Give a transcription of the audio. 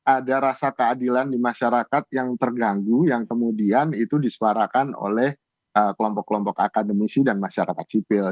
ada rasa keadilan di masyarakat yang terganggu yang kemudian itu disuarakan oleh kelompok kelompok akademisi dan masyarakat sipil